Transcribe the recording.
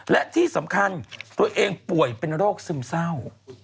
และที่สำคัญตัวเองป่วยเป็นโรคซึมเศร้า